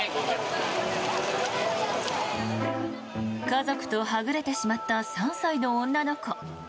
家族とはぐれてしまった３歳の女の子。